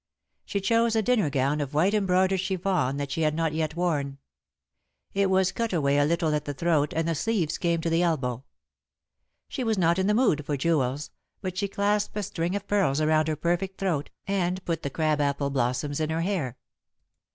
She chose a dinner gown of white embroidered chiffon that she had not yet worn. It was cut away a little at the throat and the sleeves came to the elbow. She was not in the mood for jewels, but she clasped a string of pearls around her perfect throat, and put the crab apple blossoms in her hair.